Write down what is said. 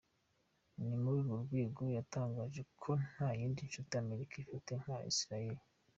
Ni muri urwo rwego yatangaje ko nta yindi nshuti Amerika ifite nka Isilaheri.